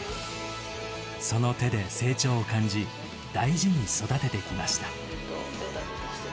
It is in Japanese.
その手で成長を感じ、大事に育ててきました。